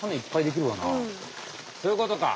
そういうことか。